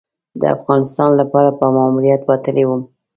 د افغانستان لپاره په ماموریت وتلی وم.